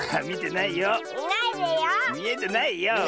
みえてないよ。